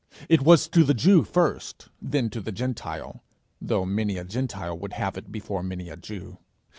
It was to the Jew first, then to the Gentile though many a Gentile would have it before many a Jew.